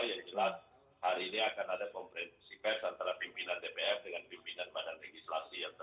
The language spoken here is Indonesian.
yang jelas hari ini akan ada konvensi pers antara pimpinan dpr dengan pimpinan badan legislasi yang terikut serta